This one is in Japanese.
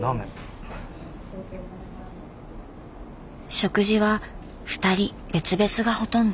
食事はふたり別々がほとんど。